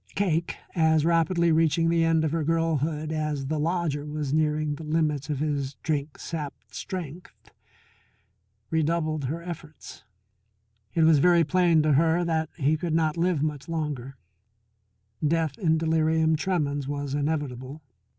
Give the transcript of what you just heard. Cake, as rapidly reaching the end of her girlhood as the lodger was nearing the limits of his drink sapped strength, redoubled her efforts. It was very plain to her that he could not live much longer; death in delirium tremens was inevitable.